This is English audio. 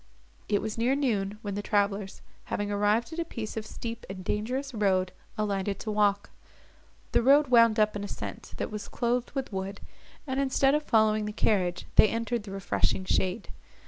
It was near noon, when the travellers, having arrived at a piece of steep and dangerous road, alighted to walk. The road wound up an ascent, that was clothed with wood, and, instead of following the carriage, they entered the refreshing shade.